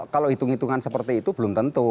kalau hitung hitungan seperti itu belum tentu